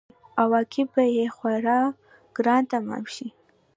عواقب به یې خورا ګران تمام شي.